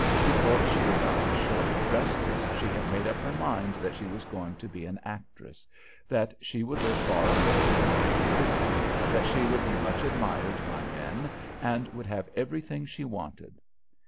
Before she was out of short dresses she had made up her mind that she was going to be an actress, that she would live far away in great cities, that she would be much admired by men and would have everything she wanted.